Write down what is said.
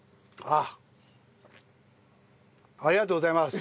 「ありがとうございます」？